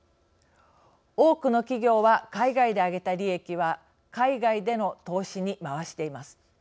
多くの企業は海外で上げた利益は海外での投資に回しています。